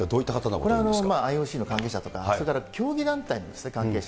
これはＩＯＣの関係者とか、それから競技団体なんですね、関係者。